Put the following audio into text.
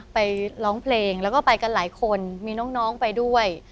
ไปร้องเพลงแล้วก็ไปกันหลายคนมีน้องไปด้วย